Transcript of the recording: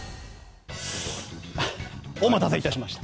お待たせしました。